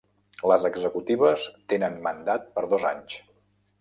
Les executives tenen mandat per dos anys.